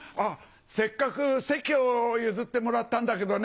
せっかく席を譲ってもらったんだけどね